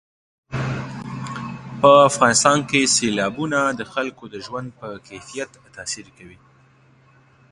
په افغانستان کې سیلابونه د خلکو د ژوند په کیفیت تاثیر کوي.